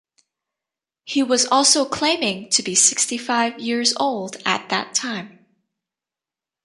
He was also claiming to be sixty-five years old at that time.